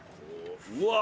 うわ。